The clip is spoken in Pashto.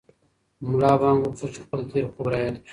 ملا بانګ وغوښتل چې خپل تېر خوب را یاد کړي.